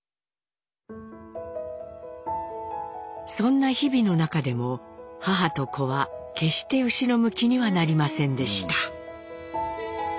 そんな日々の中でも母と子は決して後ろ向きにはなりませんでした。